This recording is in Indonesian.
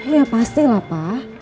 iya pasti lah pak